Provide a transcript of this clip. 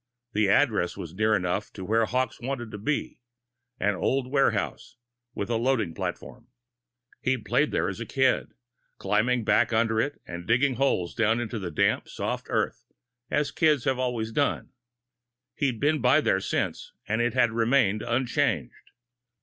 The address was near enough to where Hawkes wanted to be an old warehouse, with a loading platform. He'd played there as a kid, climbing back under it and digging holes down into the damp, soft earth, as kids have always done. He'd been by there since, and it had remained unchanged.